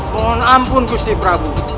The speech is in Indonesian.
mohon ampun usti prabu